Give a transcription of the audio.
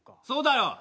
そうだよ。